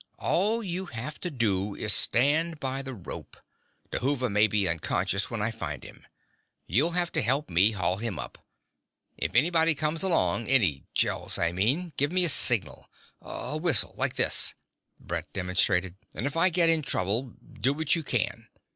"All you have to do is stand by the rope. Dhuva may be unconscious when I find him. You'll have to help me haul him up. If anybody comes along, any Gels, I mean give me a signal. A whistle ... like this " Brett demonstrated. "And if I get in trouble, do what you can.